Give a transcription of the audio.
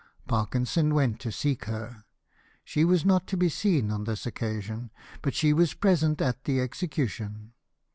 Parkinson went to seek her; she was not to be seen on this occasion, but she was present at the execution.